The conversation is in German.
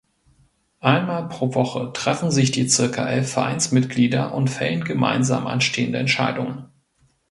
Einmal pro Woche treffen sich die circa elf Vereinsmitglieder und fällen gemeinsam anstehende Entscheidungen.